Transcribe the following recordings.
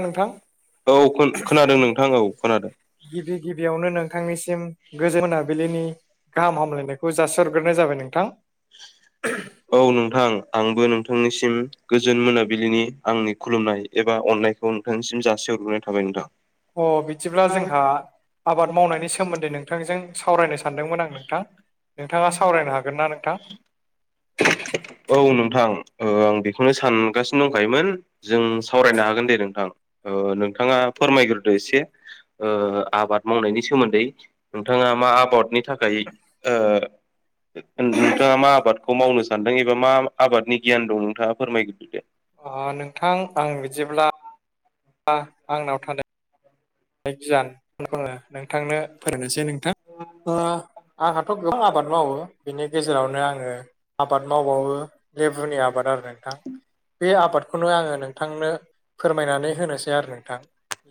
नोंथां औ खो-खोनादों नोंथां औ खोनादों। गिबि गिबियावनो नोंथांनिसिम गोजों मोनाबिलिनि गाहाम हामलायनायखौ जासिहरग्रोनाय जाबाय नोंथां। औ नोंथां आंबो नोंथांनिसिम गोजोन मोनाबिलिनि आंनि खुलुमनाय एबा अननायखौ नोंथांनिसिम जासि हरग्रोनाय थाबाय नोंथां। अह बिदिब्ला जोंहा आबाद मावनायनि सोमोन्दै नोंथांजों सावरायनो सानदोंमोन आं नोंथां नोंथाङा सावरायनो हागोन ना नोंथां? औ नोंथां ओ आं बेखौनो सानगासिनो दंखायोमोन। जों सावरायनो हागोन दे नोंथां ओ नोंथाङा फोरमायग्रोदो एसे। ओ आबाद मावनायनि सोमोन्दै नोंथाङा मा आबाद नि थाखाय ओ नोंथाङा मा आबादखौ मावनो सानदों एबा मा आबादनि गियान दं नोंथाङा फोरमायग्रोदो दे। उह नोंथां आं बिदिब्ला ओ आंनाव थान नाय गियान होनना बुङो नोंथांनो फोरोंनोसै नों थां आंहाथ' गोबां आबाद मावो बेनि गेजेरावनो आङो आबाद मावबावो लेबुनि आबाद आरो नोंथां। बे आबादखौनो आङो नोंथांनो फोरमायनानै होनोसै आरो नोंथां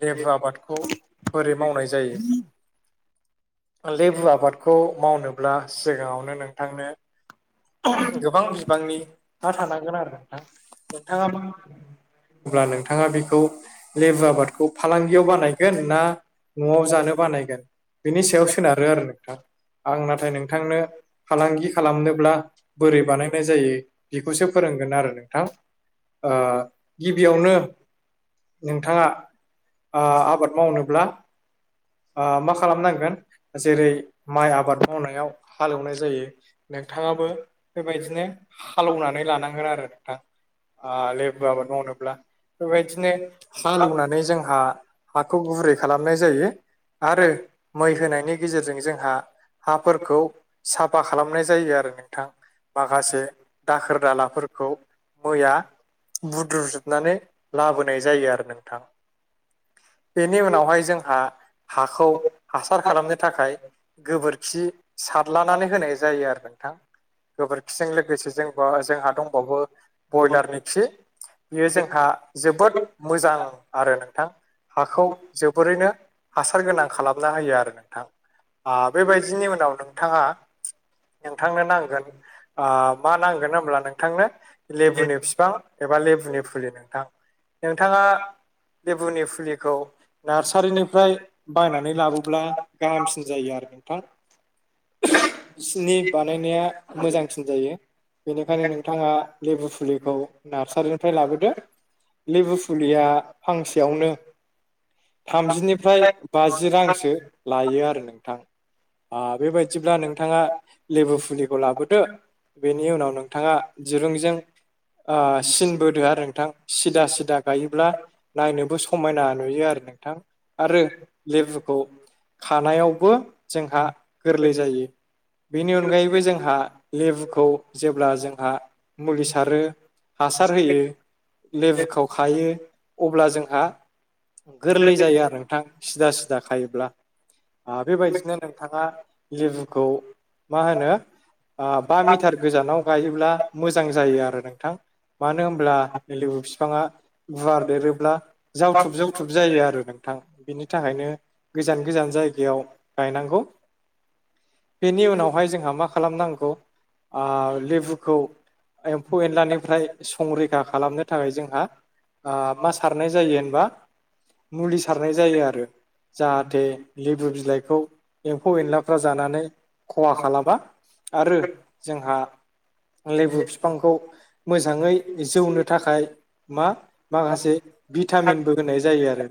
लेबु आबाद खौ बोरै मावनाय जायो। लेबु आबादखौ मावनोब्ला सिगाङावनो नोंथांनो गोबां बिबांनि ना थानांगोन आरो नोंथां। नोंथाङा मा होनल्बा नोंथाङा बेखौ लेबु आबादखौ फालांगियाव बानाय गोन ना न'आव जानो बानायगोन बिनि सायाव सोनारो आरो नोंथां। आं नाथाय नोंथांनो फालांगि खालामनोब्ला बोरै बानायनाय जायो बेखौसो फोरोंगोन आरो नोंथां। ओ गिबियावनो नोंथाङा ओ आबाद मावनोब्ला ओ मा खालामनांगोन जेरै माइ आबाद मावनायाव हालेवनाय जायो। नोंथाङाबो बेबायदिनो हालौवनानै लानांगोन आरो नोंथां। ओ लेबु आबाद मावनोब्ला बेबायदिनो हालौवनानै जोंहा हाखौ गुरै खालामनाय जायो आरो मै होनायनि गेजेरजों जोंहा हाफोरखौ साफा खालामनाय जायो आरो नोंथां। माखासे दाखोर दालाफोरखौ मैया बुद्रुजोबनानै लाबोनाय जायो आरो नोंथां। बेनि उनावहाय जोंहा हाखौ हासार खालामनो थाखाय गोबोरखि सादनानै होनाय जायो नोंथ। ां गोबोरखिजों लोगोसे जों जोंहा दंबावो बयलारनि खि बेयो जोंहा जोबोद मोजां आरो नोंथां। हाखौ जोबोरैनो हासार गोनां खालामना होयो आरो नोंथां। ओ बेबायदिनि उनाव नोंथाङा नोंथांनो नांगोन। ओ मा नांगोन होमब्ला नोंथांनो लेबुनि फिफां एबा लेबुनि फुलि नोंथां नोंथाङा लेबुनि फुलि खौ नार्सारिनिफ्राय बायनानै लाबोब्ला गाहामसिन जायो आरो नोथां। बिसिनि बानायनाया मोजांसिन जायो। बेनिखायनो नोंथाङा लेबु फुलिखौ नार्सारिनिफ्राय लाबोदो। लेबु फुलिया फांसेयावनो। थामजिनिफ्राय बाजि रांसो लायो आरो नोंथां। ओ बेबायदिब्ला नोंथाङा लेबु फुलिखौ लाबोदो बेनि उनाव नोंथाङा दिरुंजों ओ सिन बोदो आरो नोंथां सिदा सिदा गायोब्ला नायनोबो समायना नुयो आरो नोंथां आरो लेबुखौ खानायावबो जोंहा गोरलै जायो। बेनि अनगायैबो जोंहा लेबुखौ जेब्ला जोंहा मुलि सारो। हासार होयो लेबुखौाव खायो अब्ला जोंहा। गोरलै जायो आरो नोंथां सिदा सिदा खायोब्ला। बेबायदिनो नोंथाङा लेबुखौ मा होनो। ओ बा मिटार गोजानाव गायोब्ला मोजां जायो आरो नोंथां। मानो होमब्ला ल लेबु बिफाङा गुवार देरोब्ला जावथुब जावथ थुब जायो आरो नोंथां बिनि थाखायनो गोजान गोजान जायगायाव गायनांगौ। बेनि उनावहाय जोंहा मा खालामनांगौ ओ लेबुखौ एम्फौ एनलानिफ्राय संरैखा खालामनो थाखाय जोंहा मा सारनाय जायो होनबा मुलि सारनाय जायो आरो। जाहाथे लेबु बिलाइखौ एम्फौ एनलाफ्रा जानानै खहा खालामा। आरो जोंहा लेबु बिफांखौ मोजाङै जौनो थाखाय मा माखासे भिटामिनबो होनाय जायो आरो।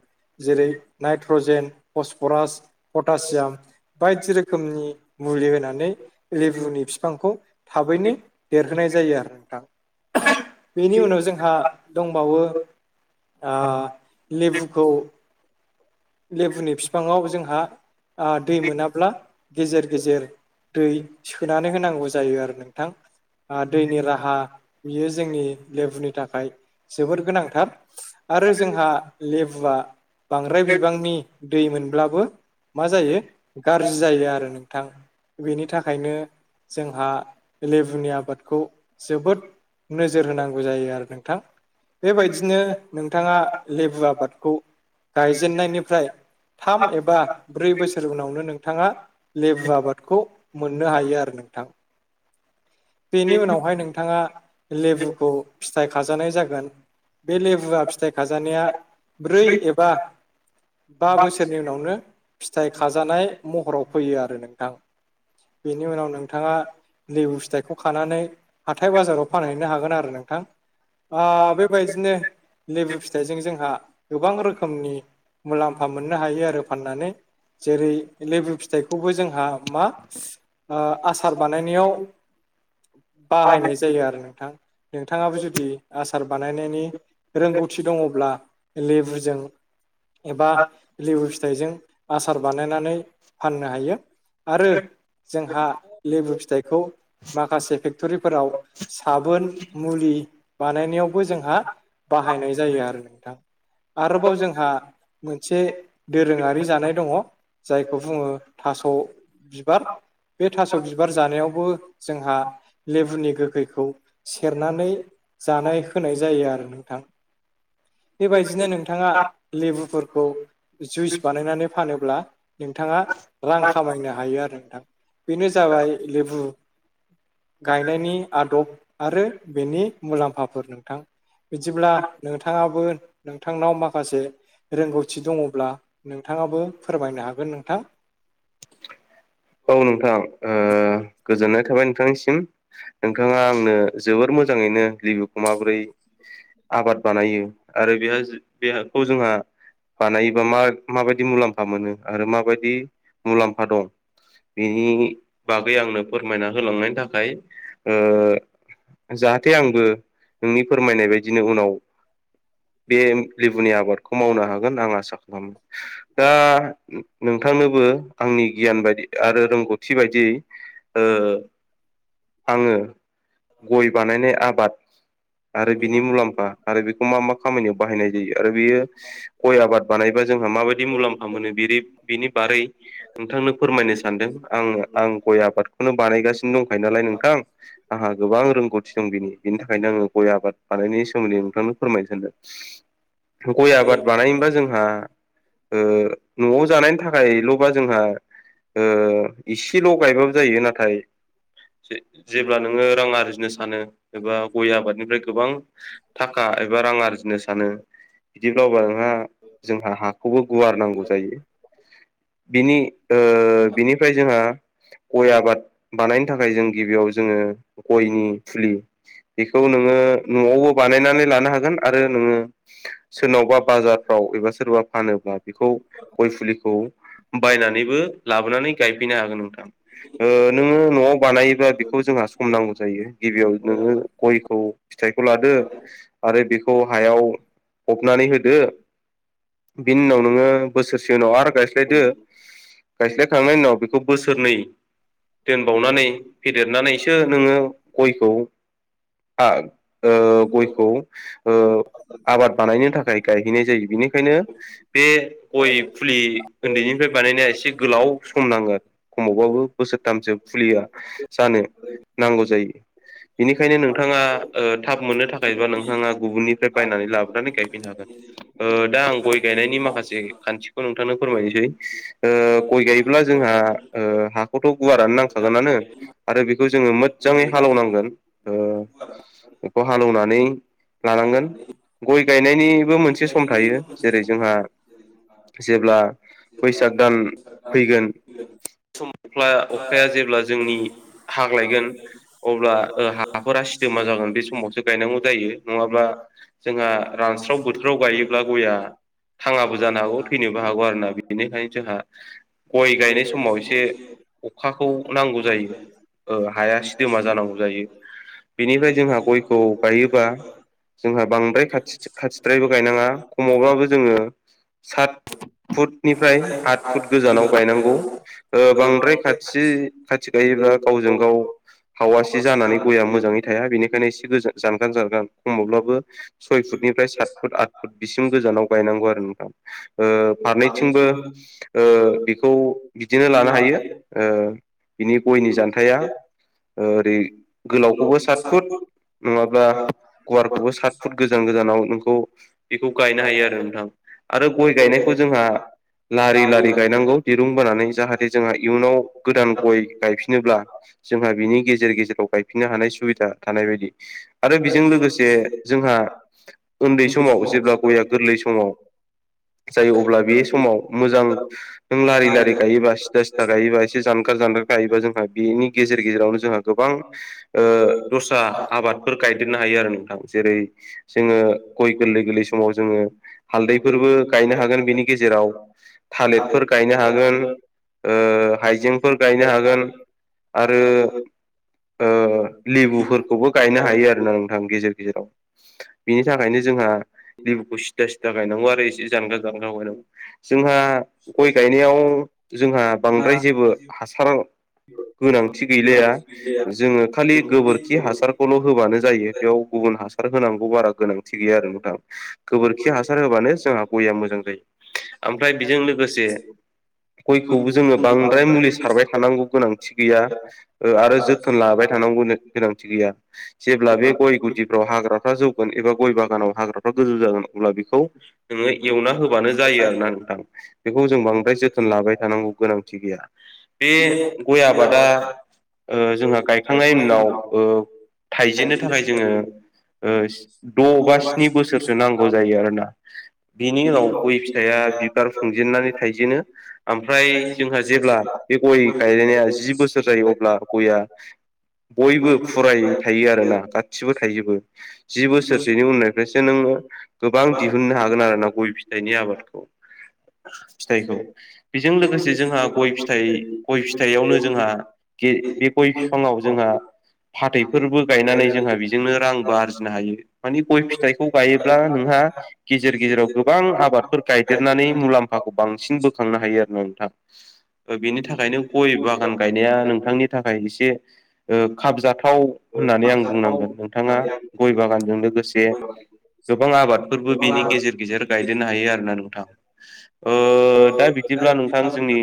जेरै नाइट्रजेन फसफरास पटासियाम। बायदि रोखोमनि मुलि होनानै लेबुनि बिफांखौ थाबैनो देरहोनाय जायो आरो नोंथां बेनि उनाव जोंहा दंबावो ओ लेबुखौ लेबुनि बिफाङाव जोंहा ओ दै मोनाब्ला गेजेर गेजेर दै सोनानै होनांगौ जायो आरो नोंथां। ओ दैनि राहा बियो जोंनि लेबुनि थाखाय जोबोर गोनांथार। आरो जोंहा लेबुआ बांद्राय बि बांनि दै मोनब्लाबो मा जायो गारजि जायो आरो नोंथां। बेनि थाखायनो जोंहा लेबुनि आबादखौ जोबोद नोजोर होनांगौ जायो आरो नोंथां। बेबायदिनो नोंथाङा लेबु आबादखौ जेननायनिफ्राय थाम एबा ब्रै बोसोर उनावनो नोंथाङा लेबु आबादखौ मोननो हायो आरो नोंथां। बेनि उनावहाय नोंथाङा लेबुखौ फिथाइ खाजानाय जागोन बे लेबुआ फिथाइ खाजानाया ब्रै एबा बा बोसोरनि उनावनो फिथाइ खाजानाय महराव फैयो‌ आरो‌ नोंथां। बेनि उनाव नोंथांङा लिबु फिथाइखौ खानानै हाथाय बाजाराव फानहैनो हागोन आरो नोंथां। बा बेबायदिनो लेबु फिथाइजों जोंहा गोबां रोखोमनि मुलाम्फा मोननो हायो आरो फाननानै। जेरै लेबु फिथाइखौबो जोंहा मा ओ आसार बानायनायाव बाहायनाय जायो आरो नोंथां। नोंथाङाबो जुदि आसार बानायनायनि रोंगौथि दङब्ला लेबुजों एबा लिबु फिथाइजों आसार बानायनानै फाननो हायो। आरो जोंहा लेबु फिथाइखौ माखासे फेक्ट'रिफोराव साबोन मुलि बानायनायावबो जोंहा बाहायनाय जायो आरो नोंथां। आरोबाव जोंहा मोनसे दोरोङारि जानाय दङ जायखौ बुङो थास' बिबार। बे थास' बिबार जानायावबो जोंहा लेबुनि गोखैखौ सेरनानै जानाय होनाय जायो आरो नोंथां। बेबायदिनो नोंथाङा लेबुफोरखौ जुइस बानायनानै फानोबा नोंथाङा रां खामायनानै बायनो हायो आरो नोंथां। बेनो जाबाय लेबु गायनायनि आदब आरो बेनि मुलाम्फाफोर नोंथां। बिदिब्ला नोंथाङाबो नोंथांनाव माखासे रोंगौथि दङब्ला नोंथाङाबो फोरमायनो हागोन नोंथां। औ नोंथां ओ गोजोननाय थाबाय नोंथांनिसिम। नोंथाङा आंनो जोबोर मोजाङैनो लिबुखौ माबोरै आबाद बानायो आरो बेहाय बेखौ जोंहा बानायोबा मा-माबायदि मुलाम्फा मोनो आरो माबायदि मुलाम्फा दं। बेनि बागै आंनो फोरमायना होलांनायनि थाखाय ओ जाहाथे आंबो नोंनि फोरमायनाय बायदिनो उनाव बे लेबुनि आबादखौ मावनो हागोन आं आसा खालामो। दा नोंथांनोबो आंनि गियान बायदि आरो रोंगौथि बायदियै ओ आंङो गय बानायनाय आबाद आरो बिनि मुलाम्फा आरो बेखौ मा मा खामानियाव बाहायनाय जायो आरो बेयो गय आबाद बानायबा जोंहा माबायदि मुलाम्फा मोनो बे बिनि बारै नोंथांनो फोरमायनो सानदों। आं आं गय आबादखौनो बानायगासिनो दंखायो नालाय नोंथां आंहा गोबां रोंगौथि दं बिनि। बिनि थाखायनो आंङो गय आबाद बानायनायनि सोमोन्दै नोंथांनो फोरमायनो सानदों। गय आबाद बानायब जों जोंहा ओ न'आव जानायनि थाखायल'बा जोंहा ओ इसेल' गायबाबो जायो। नाथाय जेब्ला नोंङो रां आरजिनो सानो एबा गय आबाद निफ्राय गोबां थाखा एबा रां आरजिनो सानो बिदिब्ला अब्ला नोंहा जोंहा हाखौबो गुवार नांगौ जायो। बिनि ओ बिनिफ्राय जोंहा गय आबाद बानायनो थाखाय जों गिबियाव जोंङो गयनि फुलि खौ नोंङो न'आवबो बानायनानै लानो हागोन आरो नोङो सोरनावबा बाजार फ्राव एबा सोरबा फानोब्ला बेखौ गय फुलिखौ बायनानैबो लाबोनानै गायफैनो हागोन नोंथां। नोंङो न'आव बानायोबा बेखौ जोंहा सम नांगौ जायो गिबियाव नोङो। औ फिथाइखौ लादो आरो बेखौ हायाव खबनानै होदो। बिनि उनाव नोङोसोरसे उनाव आरो गाय स्लायदो गायस्लायखांनायनि उनाव बेखौ बोसोरनै दोनबावनानै फेदेरनानैसो नोंङो गयखौ आ ओ गयखौ ओ आबाद बानायनो थाखाय गायहैनाय जायो बेनिखायनो बे गय फुलि उन्दैनिफ्राय बानायनाया एसे गोलाव सम नाङो आरो खमावबाबो बोसोरथामसो फुलिया जानो नांगौ जायो बेनिखायनो नों नोंथाङा ओ थाब मोननो थाखाय बा नोंथांङा गुबुननिफ्राय बायनानै लाबोनानै गायफिननो हागोन। दा आं गय गायनायनि माखासे खान्थिखौ नोंथांनो फोरमायनोसै गय गायोब्ला जोंहा हाखौथ' गुवारानो नांखागोनानो आरो बेखौ जोंङो मो जाङै हालौनांगोन बेखौ हालेवनानै लानांगोन। गय गायनायनिबो मोनसे सम थायो जेरै जोंहा जेब्ला बैसाग दान फैगोन सम अख्ला अखाया जेब्ला जोंनि हाग्लायगोन अब्ला हाफोरा सिदोमा जागोन बे समावसो गायनांगौ जायो नङाब्ला जोंहा रानस्राव बोथोराव गायोब्ला गाया थाङाबो जानो हागौ थैनोबो हागौ आरोना बेनिखायनो जोंहा गय गायनाय समाव एसे अखाखौ नांगौ जायो। ओ हाया सिदोमा जानांगौ जायो। बेनिफ्राय जोंहा गयखौ गायोबा जोंहा बांद्राय खाथि खाथिद्रायबो गायनाङा खमावब्लााबो जोङो सात फुटनिफ्राय आठ फुट गोजानाव गायनांगौ ओ बांद्राय खाथि खाथि गायोब्ला गावजों गाव हावासि जानानै गया मोजाङै थाया बेनिखायनो इसे जान जान खमावब्लाबो सय फुटनिफ्राय सय फुट आठ फुट बिसिम गोजानाव गायनांगौ आरो नोंथां। ओ फारनैथिंबो ओ बिखौ बिदिनो लानो हायो ओ बिनि गयनि जान्थाया ओरै गोलावखौबो साट साट फुट नङाब्ला गुवारखौबो सात फुट गोजान गोजानाव नोंखौ बेखौ गायनो हायो आरो नोंथां। आरो गय गायनायखौ जोंहा लारि लारि गायनांगौ दिरुं बोनानै जाहाथे जोंहा इयुनाव गोदान गय गायफिनोब्ला जोंहा बिनि गेजेर गेजेराव गायफिननो हानाय सुबिदा थानाय आरो बेजों लोगोसे जोंहा उन्दै समाव जेब्ला गया गोर लै समाव जायो अब्ला बे समाव मोजां नों लारि लारि गायोबा सिदा सिदा गायोबा एसे जानगार जानगार गायोबा जोंहा बेनि गेजेर गेजेरावनो जोंहा गोबां ओ द स्रा आबादफोर गायदेरनो हायो आरो नोंथां। जेरै जोङो गय गोरलै गोरलै समाव जोङो हालदैफोरबो गाय नो हागोन बिनि गेजेराव थालिरफोर गायनो हागोन। ओ हाइजेंफोर गायनो हागोन आरो ओ लेबुफोरखौबो गायनो हायो आरोना नोंथां गेजेर गेजेराव। बिनि थाखायनो जोंहा लेबुखौ सिथा सिथा गायनांगौ आरो एसे जानगार जानगाराव गायनांगौ। जोंहा गय गायनायाव जोंहा बांद्राय जेबो हासार गोनांथि गैलाया जोङो खालि गोबोरखि हासारखौल' होबानो जायो बेयाव गुबुन हासार होनांगौ बारा गोनांथि गैया आरो नोंथां गोबोरखि हासार होबानो जोंहा गया मोजां जायो ओमफ्राय बेजों लोगोसे गयखौबो जोङो बांद्राय मुलि सारबाय थानांगौ गोनांथि गैया ओ आरो जोथोन लाबाय थानांगौनि गोनांथि गैया जेब्ला बे गय गुदिफ्राव हाग्रा फ्रा जौगोन एबा गय बागानाव हाग्राफ्रा गोजौ जागोन अब्ला बेखौ नोङो एवना होबानो जायो आरो ना नोंथां। बेखौ जों बांद्राय जोथोन लाबाय थानांगौ गोनांथि गैया बे गय आबादा ओ जोंहा गायखांनायनि उनाव ओ थाइजेननो थाखाय जोङो ओ ओस द' बा स्नि बोसोरसो नांगौ जायो आरोना। बिनि उनाव गय फिथाइया बिबार खुंजेनन्नानै थाइजेनो ओमफ्राय जोंहा जेब्ला बे गय गायलायनाया जि बोसोर जायो अब्ला गया बयबो फुरायै थायो आरोना गासिबो थायजोबो जि बोसोरसेनि उननिफ्रायसो नोङो गोबां दिहुननो हागोन आरो ना गय फि थायनि आबादखौ फिथाइखौ बेजों लोगोसे जोंहा गय फिथाइ गय फिथाइयावनो जोंहा गे गय फिफाङाव जोंहा फाथैफोरबो गायनानै जोंहा बेजोंनो रांबो आरजिनो हायो मानि गय फिथाइखौ गायोब्ला नोंहा गेजेर गेजेराव गोबां आबादफोर गायदेरनानै मुलाम्फाखौ बां सिन बोखांनो हायो आरो ना नोंथां ओ बेनि थाखायनो गय बागान गायनाया नोंथांनि थाखाय एसे ओ खाब जा थाव होननानै आं बुंनांगोन नोंथाङा गय बागानजों लोगोसे गोबां आबादफोरबो बिनि गेजेर गेजेर गायदेरनो हायो आरोना नोंथां ओ दा बि दिब्ला नोंथां जोंनि